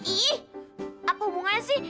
ih apa hubungannya sih